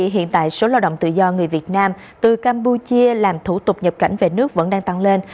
hiện tại số lao động tự do người việt nam từ campuchia làm thủ tục nhập cảnh về nước vẫn đang tăng lên